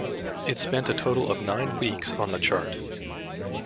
It spent a total of nine weeks on the chart.